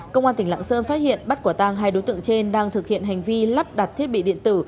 công an tỉnh lạng sơn phát hiện bắt quả tang hai đối tượng trên đang thực hiện hành vi lắp đặt thiết bị điện tử